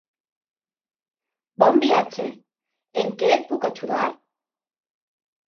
Bon viatge. En què et puc ajudar?